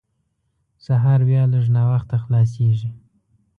سهار بیا لږ ناوخته خلاصېږي.